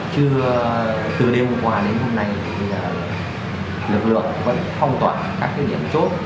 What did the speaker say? chưa từ đêm hôm qua đến hôm nay thì lực lượng vẫn không toàn các cái điểm chốt